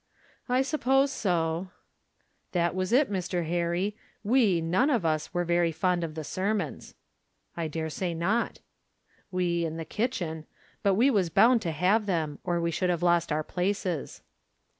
"I suppose so." "That was it, Mr. Harry. We, none of us, were very fond of the sermons." "I dare say not." "We in the kitchen. But we was bound to have them, or we should have lost our places."